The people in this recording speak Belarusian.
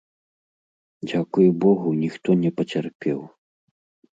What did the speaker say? Дзякуй богу, ніхто не пацярпеў.